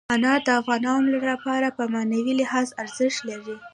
انار د افغانانو لپاره په معنوي لحاظ ارزښت لري.